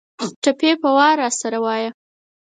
ټپې په وار راسره وايه